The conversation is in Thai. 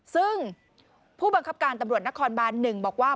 ซึ่งผู้บังคับการตำรวจนครบาน๑บอกว่า